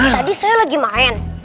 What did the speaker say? tadi saya lagi main